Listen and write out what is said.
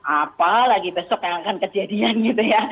apa lagi besok yang akan kejadian gitu ya